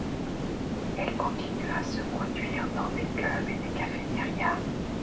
Elle continue à se produire dans des clubs et des cafétérias.